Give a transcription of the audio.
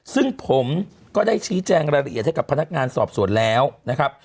ซึ่งผมก็ได้ชี้แจงรายละเอียดให้กับพนักงานสอบสวนแล้วนะครับ